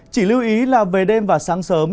chỉ lưu ý là về đêm và sáng sớm